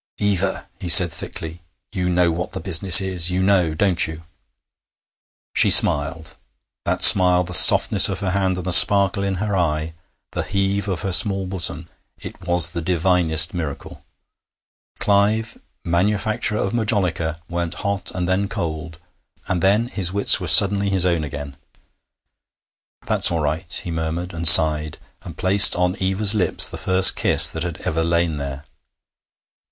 'Eva,' he said thickly, 'you know what the business is; you know, don't you?' She smiled. That smile, the softness of her hand, the sparkle in her eye, the heave of her small bosom ... it was the divinest miracle! Clive, manufacturer of majolica, went hot and then cold, and then his wits were suddenly his own again. 'That's all right,' he murmured, and sighed, and placed on Eva's lips the first kiss that had ever lain there.